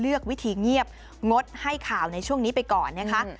เลือกวิธีเงียบงดให้ข่าวในช่วงนี้ไปก่อนนะคะ